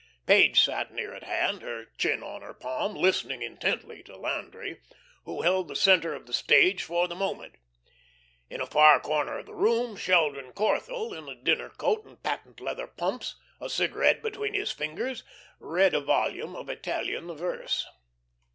Page sat near at hand, her chin on her palm, listening intently to Landry, who held the centre of the stage for the moment. In a far corner of the room Sheldon Corthell, in a dinner coat and patent leather pumps, a cigarette between his fingers, read a volume of Italian verse.